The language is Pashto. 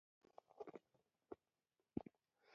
ژوندي د یتیم غم خوري